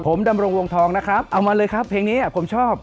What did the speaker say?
ผมดำรงวงทองนะครับเอามาเลยครับเพลงนี้ผมชอบ